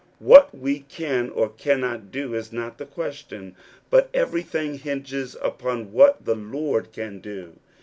What we can or cannot do is not the question; but every thing hinges upon what the Lord can do.